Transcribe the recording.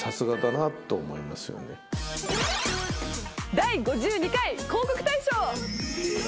『第５２回広告大賞』！